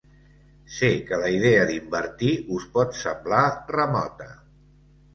Sé que la idea d’invertir us pot semblar remota.